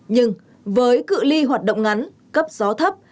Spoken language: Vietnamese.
nhưng với cự li hoạt động ngắn cấp gió thấp